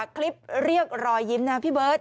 คลิปเรียกรอยยิ้มนะพี่เบิร์ต